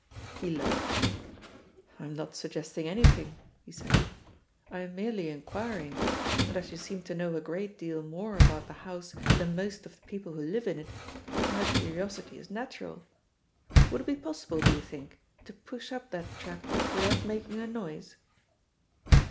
He laughed. "I am not suggesting anything," he said, "I am merely inquiring, and as you seem to know a great deal more about the house than most of the people who live in it, my curiosity is natural. Would it be possible, do you think, to push up that trap without making a noise?"